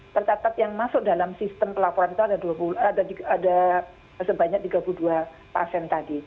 tercatat yang masuk dalam sistem pelaporan itu ada sebanyak tiga puluh dua pasien tadi